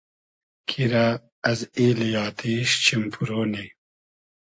کی رۂ از ایلی آتیش چیم پورۉ نی